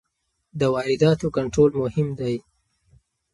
د وارداتو کنټرول مهم دی.